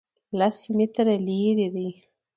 لس متره لرې دی